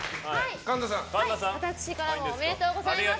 私からもおめでとうございます。